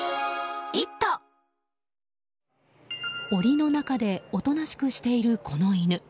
檻の中でおとなしくしているこの犬。